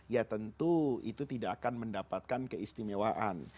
ya tentu itu tidak akan mendapatkan keistimewaan